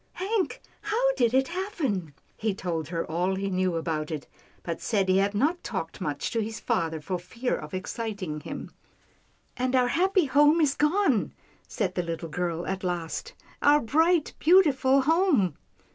" Hank, how did it happen ?" He told her all he knew about it, but said he had not talked much to his father, for fear of ex citing him. " And our happy home is gone," said the little girl at last, " our bright, beautiful home."